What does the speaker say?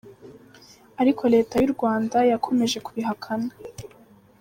Ariko Leta y’u Rwanda yakomeje kubihakana.